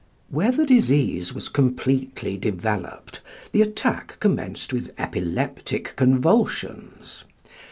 Where the disease was completely developed, the attack commenced with epileptic convulsions.